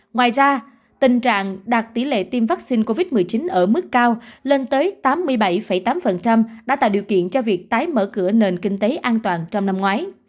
ngoài ra tình trạng đạt tỷ lệ tiêm vaccine covid một mươi chín ở mức cao lên tới tám mươi bảy tám đã tạo điều kiện cho việc tái mở cửa nền kinh tế an toàn trong năm ngoái